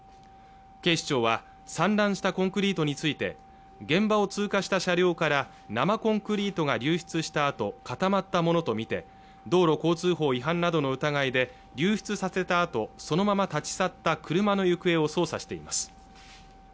警視庁は散乱したコンクリートについて現場を通過した車両から生コンクリートが流出したあと固まったものと見て道路交通法違反などの疑いで流出させたあとそのまま立ち去った車の行方を捜査しています